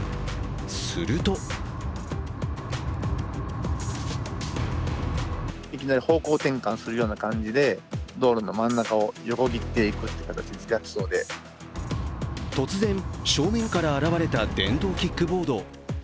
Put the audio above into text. すると突然正面からあらわれた電動キックボード。